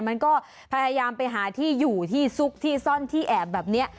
มันก็พยายามไปหาที่อยู่ที่ซุกที่ซ่อนที่แอบแบบนี้